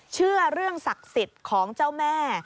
เชื่อเรื่องศักดิ์สิทธิ์ของเจ้าแม่